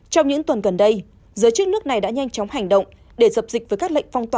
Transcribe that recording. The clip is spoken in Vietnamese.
trong những tuần gần đây giới chức nước này đã nhanh chóng hành động để dập dịch với các lệnh phong tỏa